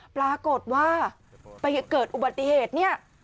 ปรากฏว่าไปเกิดอุบัติเหตุเนี่ย